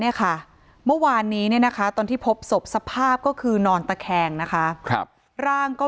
เนี่ยค่ะเมื่อวานนี้เนี่ยนะคะตอนที่พบศพสภาพก็คือนอนตะแคงนะคะครับร่างก็